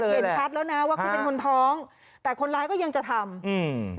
เห็นชัดแล้วนะว่าคุณเป็นคนท้องแต่คนร้ายก็ยังจะทำอืม